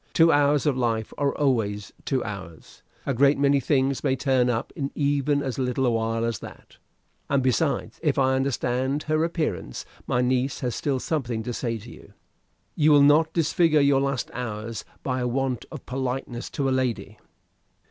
Two hours of life are always two hours. A great many things may turn up in even as little a while as that. And, besides, if I understand her appearance, my niece has still something to say to you. You will not disfigure your last hours by a want of politeness to a lady?"